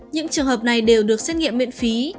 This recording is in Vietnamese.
những trường hợp này đều được xét nghiệm miễn phí